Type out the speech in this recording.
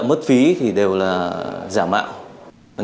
mất phí thì đều là giả mạo